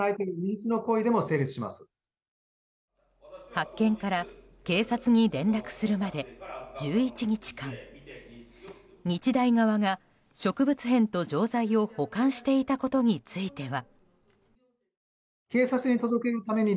発見から警察に連絡するまで１１日間日大側が植物片と錠剤を保管していたことについては。